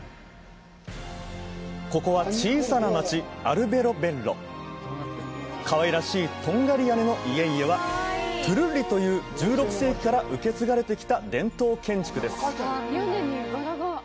ここは小さな街かわいらしいとんがり屋根の家々はトゥルッリという１６世紀から受け継がれてきた伝統建築です